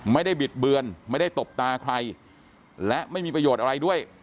บิดเบือนไม่ได้ตบตาใครและไม่มีประโยชน์อะไรด้วย